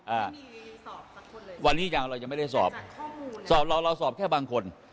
อ่าสอบวันนี้ยังเรายังไม่ได้สอบสอบเราเราสอบแค่บางคน